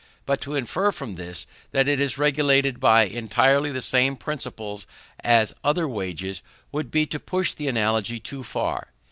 But to infer from this that it is regulated by entirely the same principles as other wages, would be to push the analogy too far.